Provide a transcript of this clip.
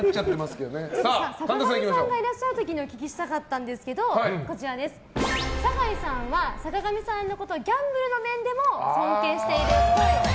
坂上さんがいらっしゃる時にお聞きしたかったんですけど酒井さんは坂上さんのことをギャンブルの面でも尊敬しているっぽい。